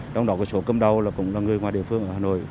trong đó số cơm đầu cũng là người ngoài địa phương ở hà nội